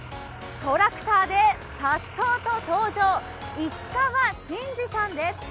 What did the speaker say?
トラクターでさっそうと登場、石川眞滋さんです。